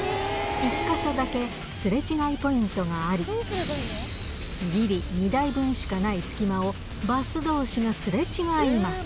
１か所だけすれ違いポイントがあり、ぎり２台分しかない隙間を、バスどうしがすれ違います。